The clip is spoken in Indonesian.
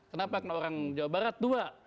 bagaimana orang jawa barat dua